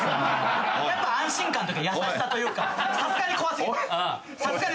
やっぱ安心感というか優しさというかさすがに怖過ぎる。